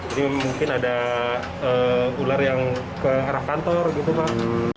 jadi mungkin ada ular yang ke arah kantor gitu pak